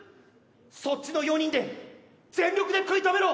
そっちの４人で全力で食い止めろ！